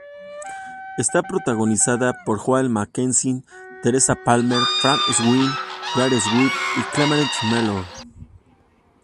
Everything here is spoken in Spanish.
Está protagonizada por Joel Mackenzie, Teresa Palmer, Frank Sweet, Gary Sweet y Clementine Mellor.